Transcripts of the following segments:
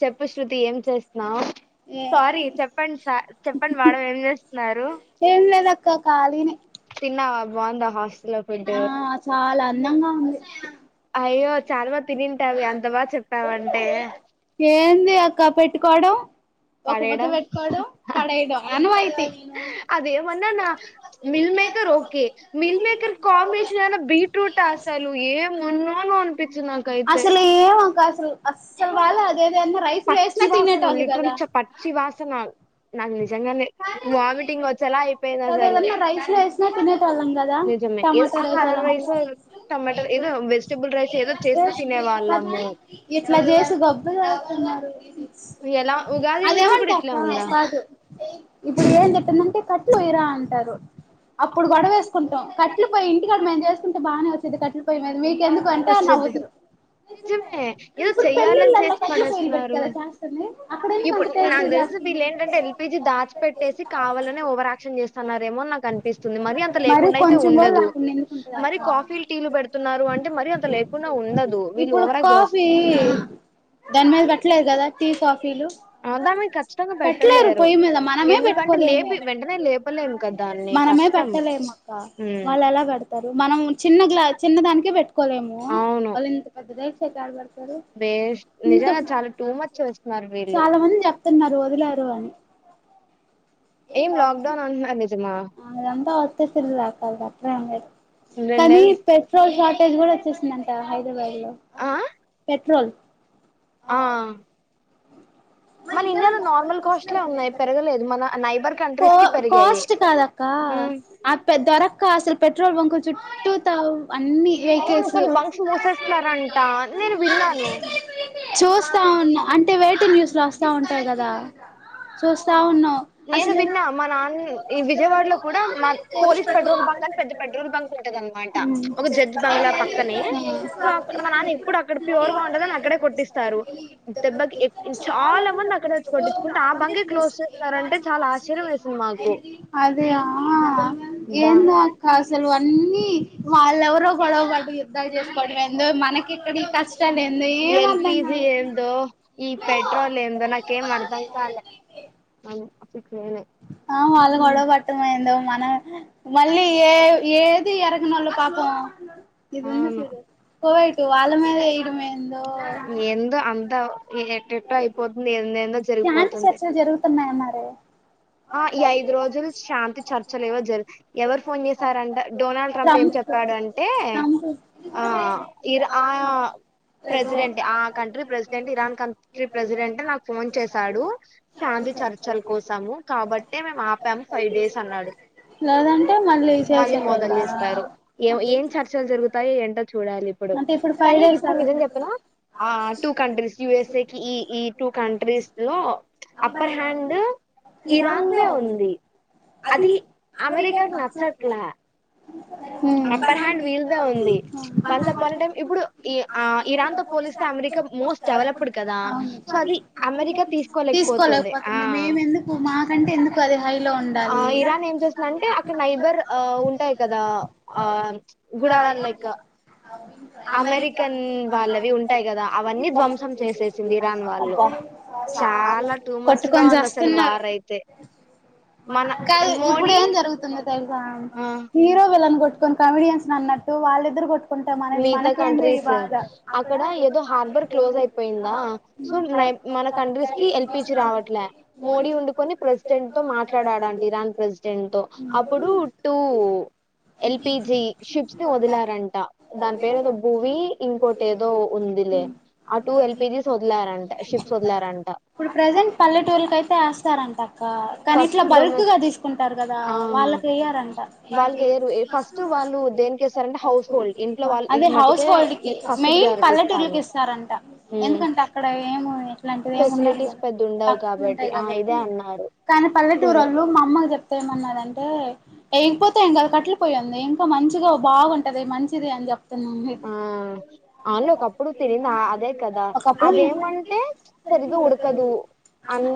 చెప్పు శృతి ఏం చేస్తున్నావు సారీ చెప్పండి చెప్పండి మేడమ్ ఏం చేస్తున్నారు కా కాలినే తిన్నవ బాగుందా హాస్టల్ లో ఫుడ్ ఆ చాలా అందంగా ఉంది అయ్యో చాలా బాగా తినింటావే అంత బాగా చెప్పావంటే ఉంది అక్క పెట్టుకోవడం ఒక ముద్ద పడేయడం పెట్టుకోవడం పడేయడం అనువాయితి అదేమన్నా నా meal maker okay meal maker combination అయినా బీట్రూట్ అసలు ఏమి ఉన్నొనో అనిపించిది నాకైతే అసలు ఏం అక్క అసలు అస్సలు వాలే అదేదైనా రైస్లు పచ్చి వేసినా తినేట వాసన వాళ్ళు లిటరల్ కదా పచ్చి వాసన నాకు నిజంగానే వామిటింగ్ వచ్చేలా అయిపోయింది పోనీ అసలు ఏదైనా రైస్ లో వేసిన తినేటోళ్లం కదా నిజమే ఏ ఆ టమాటర్ రైస్ అల కలర్ టమాటా ఏదో వెజిటబుల్ రైస్ ఏదో చేస్తూ తినే వాళ్ళము ఎ కద ఎట్లా చేసి గబ్బు లేపుతున్నారు ఎలా ఉగాది నుంచి ఇప్పుడు అదేమంటే ఇట్లా అక్క ఉందా కాదు ఇప్పుడు ఏం చెప్పిందంటే కట్లు వెయ్యరా అంటారు అప్పుడు గొడవ వేసుకుంటాం కట్ పోయి ఇంటికాడ మేము చేసుకుంటే బాగానే వచ్చేది కట్లు పోయి మీకు ఎందుకు అంటే అ వచ్చేది నవ్వుతురు నిజమే ఏదో ఇప్పుడు చెయ్యాలని పెళ్లిళ్లలో చేసి కట్లపొయ్యిలు పెట్టి పడేస్తున్నారు కథ చేస్తుంది అక్కడ ఎందుకు టేస్టీగా చేస్తా ఉండే రోజు వీళ్ళ ఏంటంటే ఎల్పిజీ దాచి పెట్టేసి కావాలని ఓవరాక్షన్ చేస్తున్నారేమో నాకు అనిపిస్తుంది మరి అంత లేకుండా అయితే కొంచెం కూడా ఉండదు రాకుండా ఎందుకుంటది మరి అక్క కాఫీ లు టీ లు పెడ న్నారు అంటే మరి అంత లేకుండా ఉండదు వీళ్ళు ఇప్పుడు ఓవరాల్ చేస్త కాఫీ దాని మీద పెట్టలేదు కదా టీ కాఫీలు పెట్టలేరు పొయ్యి మీద మనమే ఎందుకంటే పెట్టుకోలేము లేపి వెంటనే మనం లేపలేము కదా దాన్ని మనమే కష్టం పెట్టలేము అక్కా ఉమ్ వాళ్ళు ఎలా పెడుతారు మనం చిన్న గ్లా చిన్న దానికే పెటుకోలేము ము అవును వాళ్ళు ఇంత డేక్షా తో ఏడబెడతారు వేస్ట్ ఇంత నిజంగా చాలా టూ మచ్ చేస్తున్నారు వీళ్ళు చాలా మంది చెప్తున్నారు వదిలారు అని ఏం లాక్ డౌన్ అంటున్నారు నిజమా అదంతా ఊత్తిఉత్తే లే అక్క ఆది పెట్టారు ఏం లేదు రెండు కానీ నెల్స్ పెట్రోల్ షార్టేజ్ కూడా వచ్చేస్తుందంట హైదరాబాద్ లో ఆ పెట్రోల్ ఆ మన ఇండియాలో నార్మల్ కాస్ట్లే ఉన్నాయి పెరగలేదు మన నైబర్ కో కంట్రీస్ కి పెరిగాయి కాస్ట్ కాదు అక్క ఉమ్ ఆ ఆపే ద్వరక్క అసల పెట్రోల్ బంక్ చుట్టూ త అన్ని అవును వెహికల్స్ కొన్ని బంక్స్ మూసేస్తున్నారంట నేను విన్నాను మా చూస్తా ఉన్న అంటే వెయిటు న్యూస్ లో బా ఉంటాయి కదా చూస్తా ఉన్నాం నేను అసలే విన్న మా నాన్న ఈ విజయవాడలో కూడా మా పోలీస్ పెట్రోల్ బంక్ అని పెద్ద పెట్రోల్ బంక్ ఉంటది అనమాట ఒక జడ్జ్ బంగ్లా పక్కనే సో అ మా నాన్న ఇప్పుడు అక్కడ ప్యూర్ గా ఉంటదని అక్కడ కొట్టిస్తారు దెబ్బకి చాలా మంది అక్కడ వచ్చి కొట్టించుకుంటే ఆ బంగ్ క్లోజ్ చెసి అదే ఆ బా ఏందో అక్క అసలు అన్నీ వాళ్ళెవరు గొడవ వాటి యుద్ధం చేసుకోవడం ఏందో మనకి ఇక్కడి కష్టాలు ఏందు ఏం ఎల్పిజి అర్థంకాల ఈ పెట్రోల్ ఏం కేం అర్దాంకాాల ఆ వాళ్ళ గొడవ పట్టమైందో మనం మళ్ళీ ఏ ఏ ది ఇరకునళ్ పాపం ఇది ఉంది అవును చూడు కోయిట్టు వాల మీద వేయడం ఏందో ఏందో అంతా ఎటెటో అయిపోతుంది ఏందేందో జరిగిపోతుంది అరే ఆ ఈ ఐదు రోజులు శాంతి చర్చలువో జరుగు ఎవరు ఫోన్ చేశారంట డొనాల్డ్ ట్రంప్ ఏం చె చెప్పాడంటే ట్రంప్ ఆ ఇర ఆ ప్రెసిడెంట్ ఆ కంట్రీ ప్రెసిడెంట్ ఇరాన్ క ప్రెసిడెంట్ నాకు ఫోన్ చేశాడు శాంతి చర్చల కోసము కాబట్టే మేము ఆపాము ఫైవ్ డేస్ అన్నాడు లేదంటే మళ్ళీ చేసేటోళ్ళ మొదలు చేస్తారు ఏ ఏం చర్చలు జరుగుతాయో ఏంటో చూడాలి ఇప్పుడు అంటే ఫైవ్ కానీ డేస్ ఇప్పుడు అలా నిజం చెప్పనా ఆ టూ కంట్రీస్ యూఎస్ఏ క ఈ ఈ టూ కంట్రీస్ లో అప్పర్ హ్యాండ్ ఇరాన్ందే ఉంది అది అమెరికాకి నచ్చట్లా అప్పర్ హ్యాండ్ వీల్దే ఉంది వన్స్ అఫన్ టై ఇప్పుడు ఇ ఆ ఇరాన్ తో పోలిస్తే అమెరికా మోస్ట్ డవలప్డ్ అవును తీసుకోలేకపోతుంది మేము ఎందుకు మాకంటే ఎందుకు అది హై ఆ ఇరాన్ ఏం చేస్తుందంటే అక్కడ నైబర్ ఆ ఉంటాయి కదా ఆ గుడారలు లైకా అమెరికా ఉంటాయి కదా అవన్నీ [unintelligible] ధ్వంసం చేసేసింది ఇరాన్ వాళ్ళు చాలా టూ మచ్ గా కొట్టుకొని ఉంది అసలు చస్తున్నారు వార్ అయితే మన కాదు ఇప్పుడు మోడీ ఏం జరుగుతుందో తెలుసా ఆ హీరో విలన్ కొట్టుకొని కామిడియన్స్ అన్నట్టు వాళ్ళిద్దరు కొట్ కుంటాం మన మిగతా మనకేందో ఈ కంట్రీస్ బాధ పోయిందా సో మన కంట్రీస్ కి ఎల్పీజీ రావట్లే మోడీ ఉండుకొని ప్రెసిడెంట్ తో మాట్లాడాడంట ఇరాన్ ప్రెసిడెంట్ తో అప్పుడు టూ ఎల్పిజి షిప్స్ ని వదిలారంట దాని పేరు ఏదో భువి ఇంకోటి ఏదో ఉందిలే ఆ టూ ఎల్పిజి వదిలారంట షిప్ వద్లారంట తరంటా కానీ ఇట్లా బల్క్ గా తీసుకుంటారు కదా ఆ వాళ్ళకి వయ్యారంట వాళ్ళకి ఏరు ఫస్ట్ వాళ్ళు దేనికి ఏస్తారంటే హౌస్ హోల్డ్ ఇంట్లో వాళ్ళు అదే హౌస్ మటికే హోల్డ్ కి ఫస్ట్ మెయిన్ ప్రియారిటీ ఇస్తాము పల్లెటూరుకి ఇస్తారంట ఉమ్ ఎందుకంటే అక్కడ ఏమో ఇట్లాంటివి ఏమి ఉండదు ఫెసిలిటీస్ కదా పెద్ద ఉండవు తక్కువా ఉంటాయి ఆ కాబట్టి ఇదే అన్నారు కానీ పల్లెటూరు వాళ్ళు మా అమ్మకి చెప్తా ఏమన్నంటే వయకపోతే ఎం కాదు కట్టెల పొయ్యి ఉంది ఇంకా మంచిగా బాగుంటది మంచిది అని చెప్ప ఆ వల్లే ఒకప్పుడూ తినింది అదే క దా ఒకప్పుడు అదేమంటే సరిగా ఉదగదు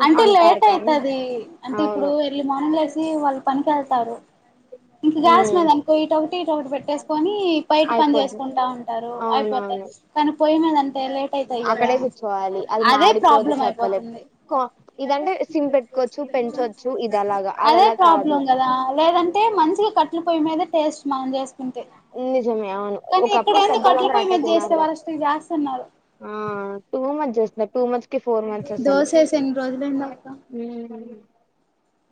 అంటే లేట్ అయితది అంటే ఇప్పుడు అవును ఎర్లీ మార్నింగ్ లేసి వాళ్ళ పనినికిెళ్తారు ఇంకా గ్యాస్ ఉమ్ మీద అనుకో ఇటుొకటి ఇటుొ ఒకటి పెట్టేసుకొని బయట పని అయిపోద్ది చేసుకుంటా ఉంటారు అయిపోతే అవునవును కానీ పోయి మీదంటే లేట్ అక్కడే కూర్చోవాలి అది అదే మాడిపోదు ప్రాబ్లం చెప్పలేం అయిపోతుంది కో ఇదంటే సిమ్ పెట్టుకోవచ్చు పెంచొచ్చు ఇది అలాగా అది అదే అలా కాదు ప్రాబ్లం కదా లేదంటే మంచిగా కట్లు పొ్య మీద టేస్ట్ మనం చే కే నిజమే అవును కానీ ఒకప్పుడు ఇక్కడైనా కట్ల పెద్దోళ్ళందరూ పొయి అట్టే మీద చేస్తే తిన్నారు కదా వరస్ట్ గా చేస్తున్నారు ఆ టూ మచ్ చేస్తున్నాయి టూ మచ్ కి ఫోర్ మచ్ ఆసలు దోశ వేసి ఎన్ని రోజులైంది అక్క ఉమ్మ్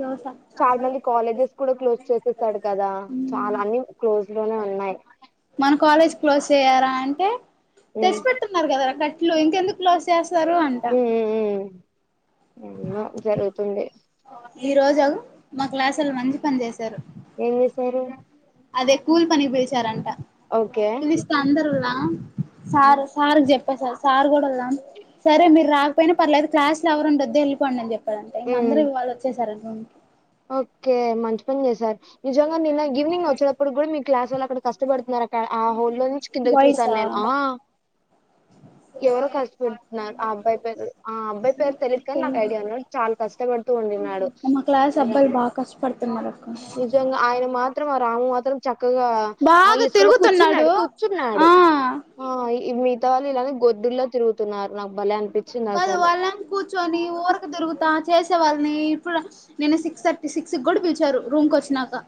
దోశ చాలా మంది కాలేజెస్ కూడా క్లోజ్ చేసేస్తాడు కదా చాలా అన్ని క్లోజ్ లోనే ఉన్నాయి మన కాలేజ్ క్లోజ్ చేయ్యారా అంటే ఉమ్ తెచ్చి పెెట్టున్నారు కదా కట్లు ఇంకెందుకు క్లోజ్ చేస్తారు అంట ఉమ్ ఉమ్ ఏమో జరుగుతుంది ఈ రోజు మా క్లాస్ ఓళ్ళు మంచి పని చేసారు ఏం చేశారు అదే కూల్ పని కి పోయి వచ్చారంట ఓకే పిలిస్తే అందర్లా సార్ సార్కి చెప్ప సార్ సార్ కూడా ఉళ్దం సరే మీరు రాకపోయినా పర్లేదు క్లాస్ లలో ఎవ్వరు ఉండొద్దు వెళ్ళిపోండి అని చెప్పి ఇంక అందరు ఉమ్ ఇవాళ వచ్చేశారు రూంకి ఓకే మంచి పని చేశారు నిజంగా నిన్న ఈవినింగ్ వచ్చేదప్పుడు కూడా మీ క్లాస్ వాల్ల అక్కడ కష్టపడుతున్నారు అక్కడ ఆ హోల్లో లో నుంచి కిందకి చూశా బాయ్సా నేను ఆ ఎవరో కష్టపడుతున్నారు ఆ అబ్బాయి పేరు ఆ అబ్బాయి పేరు తెలిదు కానీ నాకు ఐడియా ఉన్నాడు చాలా కష్టపడుతూ ఉండిన్నాడు మా క్లాస్ అబ్బాయిలు బాగా కష్టపడుతున్నారు అక్క నిజంగా ఆయన మాత్రం ఆ రాము మాత్రం చక్కగా ఆ బాగా ఇసుకలో కూర్చున్నాడు తిరుగుతున్నాడు ఆ కూర్చున్నాడు ఆ మిగతా వాళ్ళు గొడ్డుల్ల తిరుగుతున్నారు నాకు భలే అనిపి కాదు వాళ్లేం కూర్చొని ఊరకి దిరుగుతా చేసే వాళ్ళని ఇప్పుడు నేను సిక్స్ థర్టీ సిక్స్కి కూడా పిలిచారు రూమ్ కు వచ్చినాక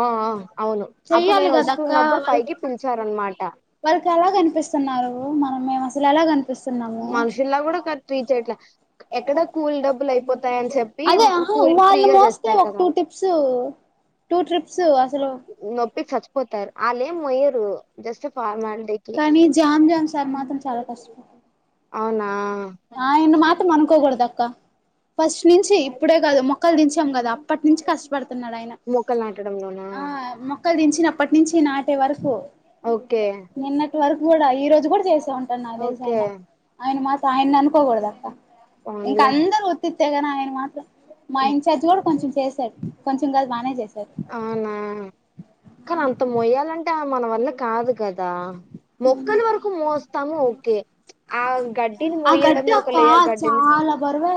ఆ ఆ అవును అప్పుడు చెయ్యాలి నేను వస్తున్నప్పుడు పైకి పిలిచారనమాట వళ్కి ఎలా కనిపిస్తున్నారు మనం మేము అసలు ఎలా కనిపిస్తున్నాము ఫ్రీచ్యట్లా ఎక్కడ కూల్ డబ్బులు అయిపోతాయని చెప్పి కూల్ ఫ్రీగా చేస్తారు కద అని స్ టూ ట్రిప్స్ అసలు నొప్పికి చచ్చిపోతారు ఆళ్లేం మోయ్యరు జస్ట్ ఫార్మాలిటీ కి వస్ అవునా ఆయన్ని మాత్రం అనుకోకూడదు అక్క ఫస్ట్ నుంచి ఇప్పుడే కాదు మొక్కలు దించేం కాదు అప్పటి నుంచి కష్టం తున్నాడు ఆయన మొక్కలు నాటడంలోనా ఆ మొక్కలు దించినప్పటి నుంచి నాటే వరకు ఓకే నిన్నటి వరకు కూడా ఈ రోజు కూడా చేసే ఉంటాను నా దేలిసి ఓకే ఆయన ఆయన మా ఆయన అ అనుకో కూడదు అక్కా ఇంకా పోన్లే అందరు ఉత్తుత్తేగాని ఆయన మాత్రం మా ఇన్ఛార్జ్ కూడా కొంచెం చేసారు కొంచెం కాదు బానే చేశారు అవునా కానీ అంత మొయాలంటే ఆ మన వల్ల కాదు కదా మొక్కల వరకు మోస్తాము ఓకే ఆ గడ్డిని మోయడమే ఒక లేయర్ గడ్డిని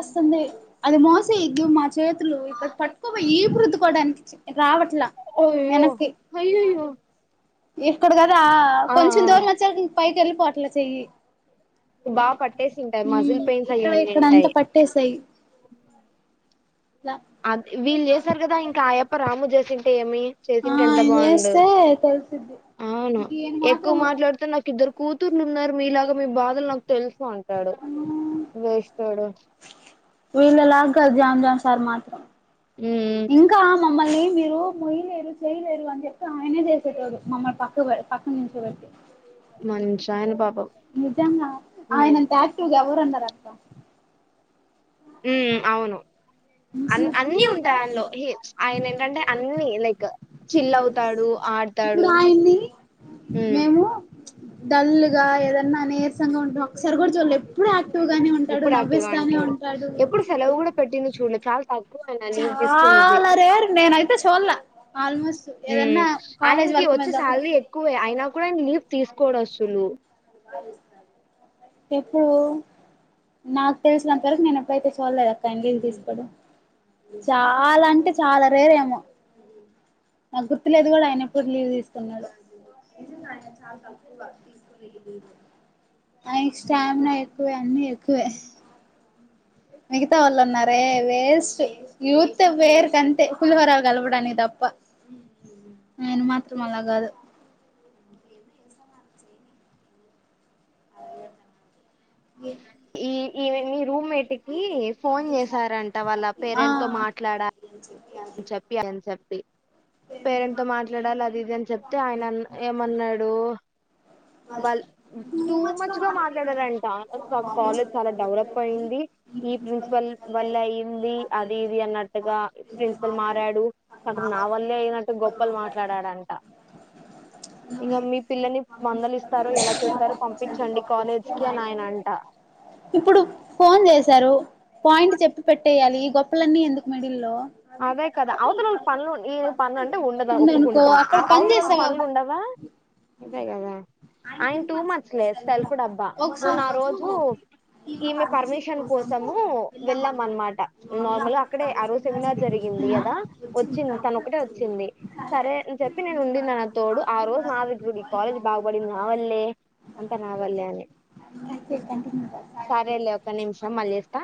వస్తుంది అది మోసే ఇట్లు మా చేతులు ఇక్కడ పట్టుకోపోయి ఈపు రుద్దుకోవడానికి రావట్ల అయ్యో యనక్కి అయ్యయ్యో ఇక్కడ కదా ఆ కొంచెం ఆ, దూరం వచ్చా పైకి వెళ్ళిపోవట్లా చెయ్యి బాగా పట్టేసింటాయి మజిల్ హ్మ్మ్ పెయిన్స్ ఇక్కడ ఇక్కడ అంతా పట్టేసాయి ఉమ్ ఇంకా ఆయప్ప రాము చేసింటే ఏమి ఆ చేసింటే ఎంత ఆయన బాగుండు చేస్తే రేప్ అయిపొద్ది అవును ఎక్కువ మాట్లాడితే నాకు ఇద్దరు కూతుర్లు ఉన్నారు మీలాగా మీ బాధలు నాకు తెలుసు అంటాడు హ్మ్మ్ వేస్ట్ వోడు వీళ్ళలాగా కాదు జాం జాన్ సార్ మాత్రం ఉమ్ ఇంకా మమ్మల్ని ఏ మీరు మొయ్యలేరు చేయలేరు అని చెప్పి ఆయనే చేసేటోడు మమ్మల్ని పక్క పక్కన నుంచోబెట్టి మంచి ఆయన పా నిజంగా ఆయనంత యాక్టివ్‌గా ఎవరూ ఉండరు అక్క ఉమ్ అవును అన్ అన్ని ఉంటాయి ఆయనలో ఆయన ఏంటంటే అన్ని లైక్ చిల్ అవుతాడు ఆడతాడు ఇప్పుడు ఆయన్ని ఉమ్ మేము డల్లుగా ఏదన్నా నీరసం గా ఉండటం ఒకసారి కూడా చూల్లే ఎప్పుడు యాక్ ఆక్టివ్ గానే ఉంటాడు ఎప్పుడు యాక్టివ్ గా నవ్విస్తానే ఉంటాడు ఎప్పుడు సెలవు కూడా పెట్టింది చూడలే చాలా తక్కువ ఆయన ఛా లీవ్ తీసుకునేది చాలా రేర్ నేను అయితే చుల్లా ఉమ్ ఆయనకి వర్క్ వచ్చే మీద సాలరీ ఎక్కువే అయినా కూడా ఆ లీవ్ తీసుకోడు అసలు ఉ చెప్పు నాకు తెలిసినంతవరకు నేను ఎప్పుడైతే చూడలేదు అక్క ఆయన లీవ్ తీసికోవడం చాలా అంటే చాలా రేరేమో. నాకు గుర్తు లేదు కానీ ఆయన ఎప్పుడు లీవ్ తీసుకున్నాడో. నిజం గా ఆయనా చాలా తక్కువ తీసుకునేది లీవ్లు. ఆయన స్టామినా ఎక్కువే అన్నీ ఎక్కువే. మిగతా వాళ్లు ఉన్నారే వేస్ట్ యూత్ వేర్ కంటే పులిహోరా కలపడానికి తప్పా. అ ఆయన మాత్రం అలా కాదు. అ ఏమో. ఈ ఈమె నీ రూమేట్ కి ఫోన్ చేసారంట. వాళ్ళ ఆ పేరెంట్ తో మాట్లాడ చెప్పియ్యలి అని చెప్పి. పేరెంట్ తో మాట్లాడాలి అది ఇది అని చెప్తే ఆయన అన్ ఏమన్నాడు. వాల్ మ్. టూ మచ్ గా మాట్లాడారంట కా కాలేజ్ చాలా డెవలప్ అయింది ఈ ప్రిన్సిపల్ వల్. అయింది అది ఇది అన్నట్టుగా ప్రిన్సిపల్ మారాడు కానీ నా వల్లే అయినట్టు గొప్ప. గోప్పలు మాట్లాడాడంట. ఇంకా మీ పిల్లల్ని మందలి ఇస్తారో ఎలా చేస్తారో పంపించండి కాలేజ్ కి అని ఆయన అంట. ఇప్పుడు ఫోన్ చేశారు పాయింట్ చెప్పి పెట్టేయాలి ఈ గొప్పలన్నీ ఎందుకు మిడిల్లో. అదే కదా అవతలోళ్ళకు పనులు ఏ పనులు అంటే ఉండదా ఉందనుకో ఒప్పుకుంటా ఆ అక్కడ పని అవతలోళకు చేస్తావా పనులు ఉండవా. అదే కదా. ఆయన టూ మచ్లే సెల్ఫ్ డబ్బా మొన్న ఒకసారి ఆ రోజు. ఈమె పర్మిషన్ కోసము వెళ్ళాం అన్నమాట నార్మల్గా అక్కడే ఆ రోజే. ఇలా జరిగింది కదా వచ్చింది తను ఒకటే వచ్చింది సరే అని చెప్పి నేను ఉండింది నా నాకు తోడు. ఆ రోజు నా దగ్గరుండి ఈ కాలేజ్ బాగుపడింది నా వల్లే అంతా నా వల్లే అని. అయితే కంటిన్యూ సరేలే ఒక సరే నిమిషం చేస్తా మళ్ళీ చెస్తా.